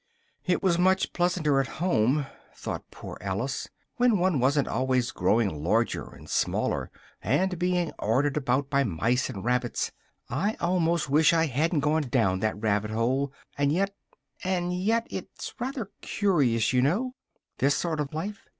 "It was much pleasanter at home," thought poor Alice, "when one wasn't always growing larger and smaller, and being ordered about by mice and rabbits I almost wish I hadn't gone down that rabbit hole, and yet, and yet it's rather curious, you know, this sort of life.